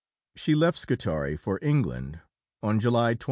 She left Scutari for England on July 28.